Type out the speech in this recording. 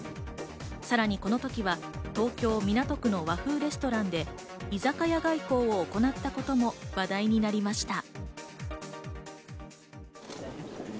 さらにこの時は東京・港区の和風レストランで居酒屋外交を行ったことも話題になりました。